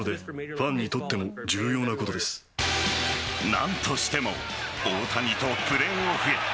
何としても大谷とプレーオフへ。